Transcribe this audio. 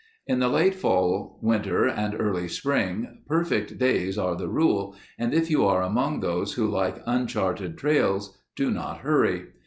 In the late fall, winter, and early spring perfect days are the rule and if you are among those who like uncharted trails, do not hurry.